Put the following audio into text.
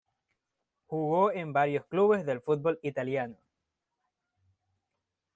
Jugó en varios clubes del fútbol italiano.